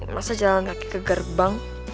masa jalan kaki ke gerbang